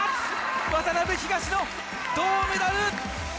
渡辺・東野、銅メダル！